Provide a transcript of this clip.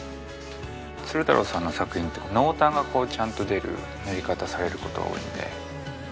鶴太郎さんの作品って濃淡がちゃんと出る塗り方されること多いんで。